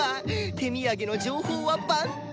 手土産の情報は万端！